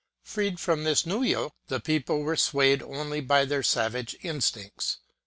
Freed from this new yoke, the people were swayed only by their savage instincts.